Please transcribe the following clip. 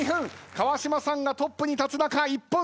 川島さんがトップに立つ中１本差。